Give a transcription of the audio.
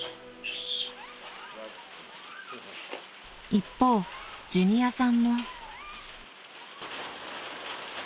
［一方ジュニアさんも］